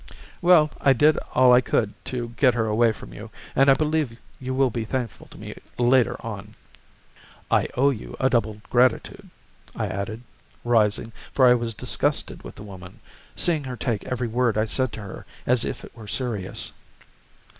"Well, I did all I could to get her away from you, and I believe you will be thankful to me later on." "I owe you a double gratitude," I added, rising, for I was disgusted with the woman, seeing her take every word I said to her as if it were serious.